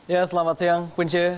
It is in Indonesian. ya selamat siang punce